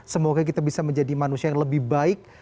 semoga kita bisa menjadi manusia yang lebih baik